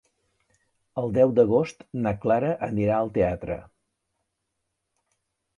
El deu d'agost na Clara anirà al teatre.